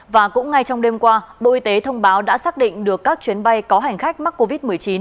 và cũng ngay trong đêm qua bộ y tế thông báo đã xác định được các chuyến bay có hành khách mắc covid một mươi chín